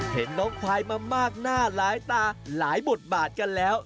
เห็นน้องควายมามากหน้าหลายตาหลายบทบาทกันแล้ว